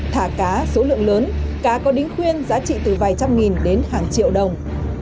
thả cá số lượng lớn cá có đính khuyên giá trị từ vài trăm nghìn đến hàng triệu đồng